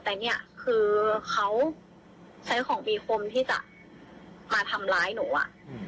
แต่เนี่ยคือเขาใช้ของมีคมที่จะมาทำร้ายหนูอ่ะ